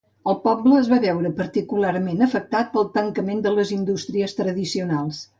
El poble es va veure particularment afectat pel tancament de les indústries tradicionals.